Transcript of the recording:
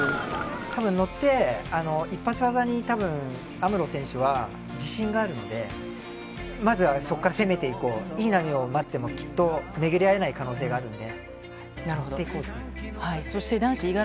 たぶん乗って、一発技に、たぶんあむろ選手は自信があるので、まずはそこから攻めていこう、いい波を待っても、きっと巡り会えない可能性があるので。